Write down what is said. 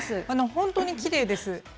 本当にきれいです。